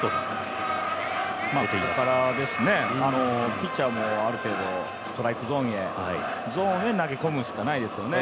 ピッチャーもある程度ストライクゾーンへ投げ込むしかないですよね。